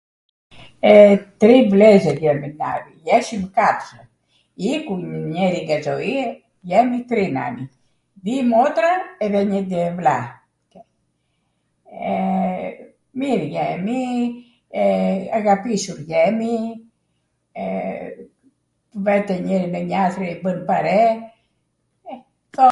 tri vllezwr jemi nani, jeshwm katwr, iku njwri nga zoia, jemi tri nani, di motra edhe njw vlla. Mir jemi, aghapisur jemi, vete njwri te njatri e bwn pare, e, kto.